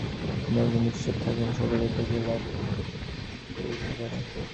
যদি একজন ঈশ্বর থাকেন, সকলেই তাঁহাকে লাভ করিতে পারে।